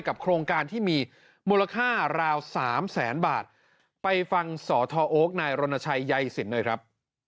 โครงการที่มีมูลค่าราวสามแสนบาทไปฟังสทโอ๊คนายรณชัยใยสินหน่อยครับ